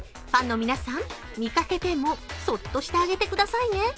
ファンの皆さん、見かけてもそっとしてあげてくださいね。